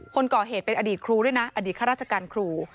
คนก่อเหตุเป็นอดีตครูด้วยนะอดีตข้าราชการครู